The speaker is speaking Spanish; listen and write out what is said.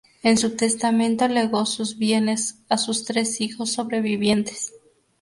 En su testamento legó sus bienes a sus tres hijos sobrevivientes.